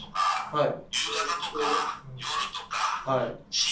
はい。